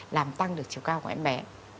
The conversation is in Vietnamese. làm tăng được chiều cao của em bé